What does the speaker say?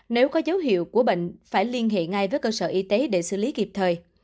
nếu có dấu hiệu của bệnh phải liên hệ ngay với cơ sở y tế để xử lý kịp thời